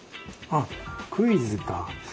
あっクイズか。